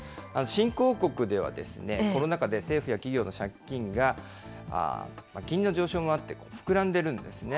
新興国では、コロナ禍で政府や企業の借金が、金利の上昇もあって膨らんでるんですね。